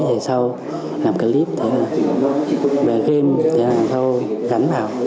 rồi sau làm clip về game rồi sau gắn vào